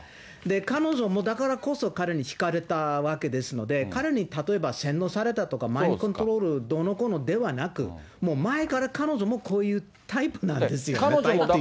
彼女も、だからこそ彼に引かれたわけですので、彼に例えば洗脳されたとか、マインドコントロールどうのこうのではなく、もう前から彼女もこういうタイプなんですよね。